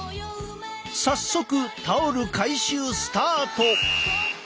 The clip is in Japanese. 早速タオル回収スタート！